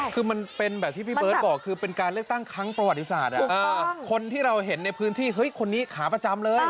คือมันเป็นแบบที่พี่เบิร์ตบอกคือเป็นการเลือกตั้งครั้งประวัติศาสตร์คนที่เราเห็นในพื้นที่เฮ้ยคนนี้ขาประจำเลย